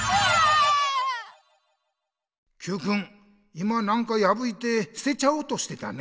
今何かやぶいてすてちゃおうとしてたね。